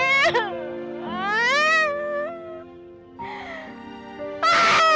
gimana dengan ini